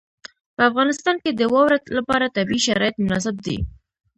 په افغانستان کې د واوره لپاره طبیعي شرایط مناسب دي.